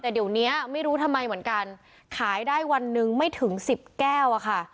แต่เดี๋ยวนี้ไม่รู้ทำไมเหมือนกันขายได้วันหนึ่งไม่ถึงสิบแก้วอะค่ะ